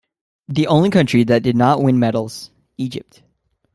The only country that did not win medals-Egypt.